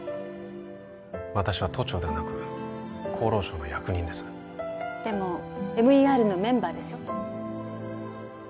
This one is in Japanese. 私は都庁ではなく厚労省の役人ですでもＭＥＲのメンバーでしょ